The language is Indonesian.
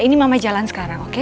ini mama jalan sekarang oke